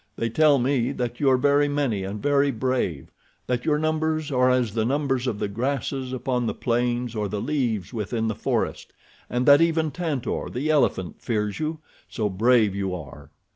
They tell me that you are very many and very brave—that your numbers are as the numbers of the grasses upon the plains or the leaves within the forest, and that even Tantor, the elephant, fears you, so brave you are.